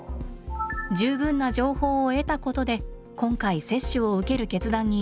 十分な情報を得たことで今回接種を受ける決断に至りました。